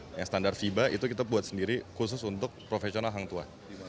yang standar fiba itu kita buat sendiri khusus untuk profesional hang tua